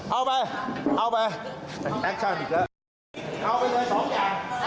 เอาไปสั้นเป๊บด้วยเอาไปสั้นเต้ารีดด้วย